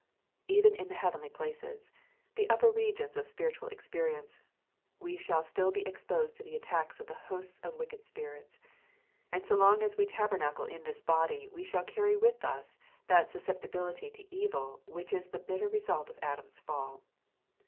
Even in the heavenly places — the upper regions of spiritual experience — we shall still be exposed to the attacks of the hosts of wicked spirits ; and so long as we tabernacle in this body, we shall carry with us that susceptibility to evil which is the bitter result of Adam's fall.